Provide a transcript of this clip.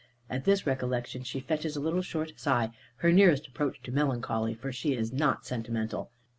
At this recollection, she fetches a little short sigh, her nearest approach to melancholy, for she is not sentimental.